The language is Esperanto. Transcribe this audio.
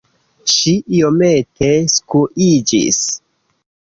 Ŝi iomete skuiĝis.